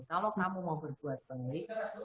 kalau kamu mau berbuat baik